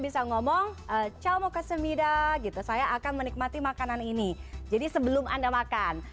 bisa ngomong camok kesemida gitu saya akan menikmati makanan ini jadi sebelum anda makan